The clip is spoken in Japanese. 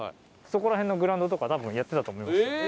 そこら辺のグラウンドとか多分やってたと思いますよ。